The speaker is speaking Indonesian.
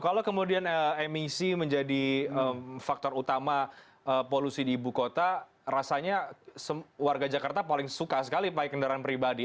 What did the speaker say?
kalau kemudian emisi menjadi faktor utama polusi di ibu kota rasanya warga jakarta paling suka sekali pakai kendaraan pribadi